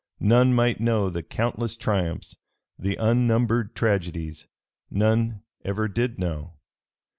None might know the countless triumphs, the unnumbered tragedies none ever did know.